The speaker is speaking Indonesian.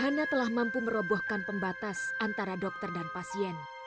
hana telah mampu merobohkan pembatas antara dokter dan pasien